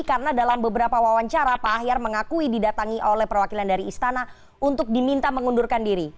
karena dalam beberapa wawancara pak ahyar mengakui didatangi oleh perwakilan dari istana untuk diminta mengundurkan diri